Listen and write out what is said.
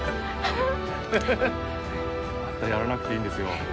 ハハハあんたやらなくていいんですよ